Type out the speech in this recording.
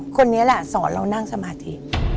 คนนี้แหละสอนเรานั่งสมาธิ